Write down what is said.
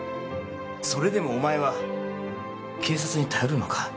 それでもお前は警察に頼るのか？